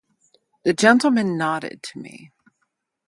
The gentleman nodded to me.